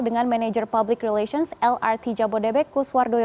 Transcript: dengan manajer public relations lrt jabodebek kuswardoyo